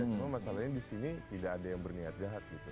cuma masalahnya di sini tidak ada yang berniat jahat gitu